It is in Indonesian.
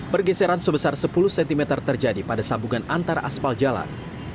pergeseran sebesar sepuluh cm terjadi pada sambungan antar aspal jalan